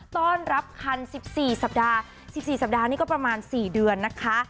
ต้อนรับคันสิบสี่สัปดาห์สิบสี่สัปดาห์นี่ก็ประมาณสี่เดือนนะคะ